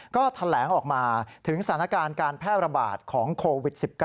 ก็แถลงออกมาถึงสถานการณ์การแพร่ระบาดของโควิด๑๙